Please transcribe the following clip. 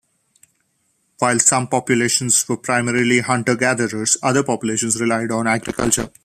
While some populations were primarily Hunter-gatherers, other populations relied on agriculture.